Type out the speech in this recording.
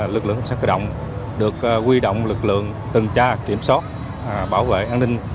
lực lượng cảnh sát cửa động được huy động lực lượng tần tra kiểm soát bảo vệ an ninh